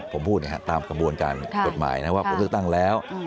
ผมพูดตามกระบวนการกฎหมายนะครับว่าผมเลือกตั้งแล้ว